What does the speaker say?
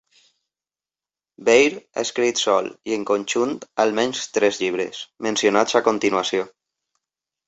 Weir ha escrit sol i en conjunt almenys tres llibres, mencionats a continuació.